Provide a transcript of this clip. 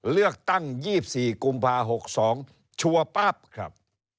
เลือกตั้ง๒๔กุมภา๖๒ชัวร์ปั๊บครับ